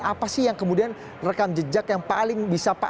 apa sih yang kemudian rekam jejak yang paling bisa pak